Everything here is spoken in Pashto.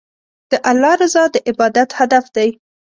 د الله رضا د عبادت هدف دی.